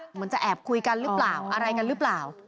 เหมือนท่านจะแอบคุยกันรึเปล่า